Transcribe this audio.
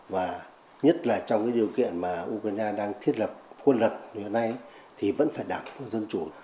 và nhất là trong cái điều kiện mà ukraine đang thiết lập quân lật như thế này thì vẫn phải đảm bảo dân chủ